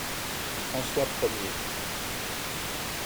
François premier.